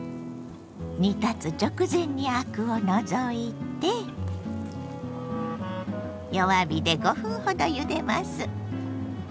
煮立つ直前にアクを除いて弱火で５分ほどゆでます。